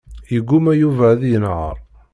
Yegguma Yuba ad yenheṛ.